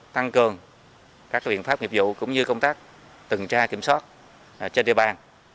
tăng cường các viện pháp nghiệp vụ cũng như công tác tầng tra kiểm soát trên địa bàn